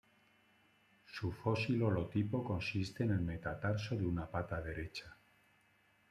Su fósil holotipo consiste en el metatarso de una pata derecha.